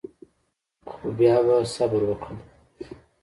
خو بیا به صبر وکړم.